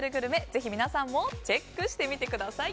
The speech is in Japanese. ぜひ皆さんもチェックしてみてください。